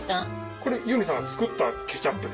これゆにさんが作ったケチャップですか？